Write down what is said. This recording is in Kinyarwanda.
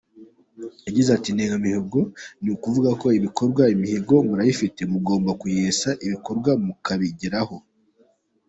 Yagize ati “Indemyamihigo ni ukuvuga ibikorwa, imihigo murayifite mugomba kuyesa ibikorwa mukabigeraho.